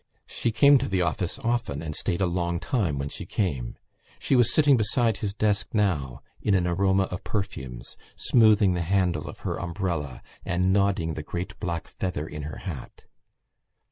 She came to the office often and stayed a long time when she came. She was sitting beside his desk now in an aroma of perfumes, smoothing the handle of her umbrella and nodding the great black feather in her hat.